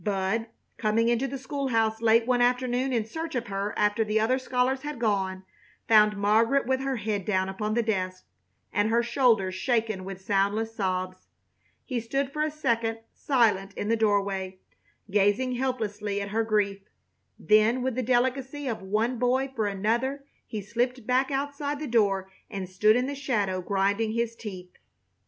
Bud, coming into the school house late one afternoon in search of her after the other scholars had gone, found Margaret with her head down upon the desk and her shoulders shaken with soundless sobs. He stood for a second silent in the doorway, gazing helplessly at her grief, then with the delicacy of one boy for another he slipped back outside the door and stood in the shadow, grinding his teeth.